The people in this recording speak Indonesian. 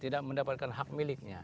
tidak mendapatkan hak miliknya